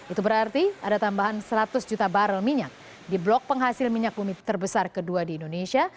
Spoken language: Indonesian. itu berarti ada tambahan seratus juta barrel minyak di blok penghasil minyak bumi terbesar kedua di indonesia